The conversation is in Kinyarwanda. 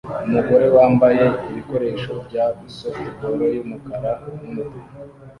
Umugore wambaye ibikoresho bya softball yumukara numutuku